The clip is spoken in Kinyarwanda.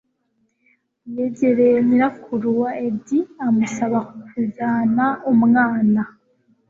yegereye nyirakuru wa edi amusaba kujyana umwana